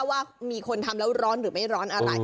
ว่ามีคนทำแล้วร้อนหรือไม่ร้อนอะไร